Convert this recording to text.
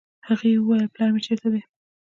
هغې وويل پلار مې چېرته دی.